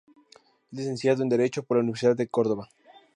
Es licenciado en Derecho por la Universidad de Córdoba.